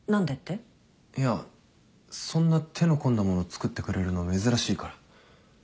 いやそんな手の込んだ物作ってくれるの珍しいから。